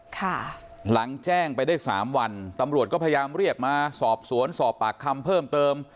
ค่ะหลังแจ้งไปได้สามวันตำรวจก็พยายามเรียกมาสอบสวนสอบปากคำเพิ่มเติม